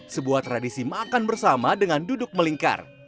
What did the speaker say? sebuah tradisi makan bersama dengan duduk melingkar